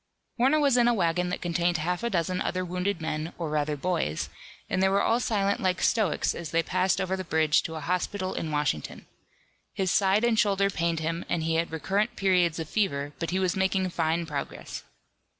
Warner was in a wagon that contained half a dozen other wounded men, or rather boys, and they were all silent like stoics as they passed over the bridge to a hospital in Washington. His side and shoulder pained him, and he had recurrent periods of fever, but he was making fine progress.